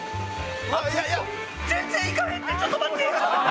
全然行かへんって、ちょっと待って。